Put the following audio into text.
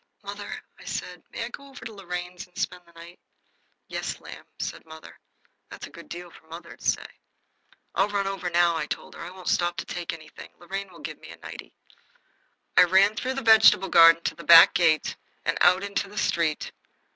"Mother," I said, "may I go over to Lorraine's and spend the night?" "Yes, lamb," said mother. That's a good deal for mother to say. "I'll run over now," I told her. "I won't stop to take anything. Lorraine will give me a nightie." I went through the vegetable garden to the back gate and out into the street.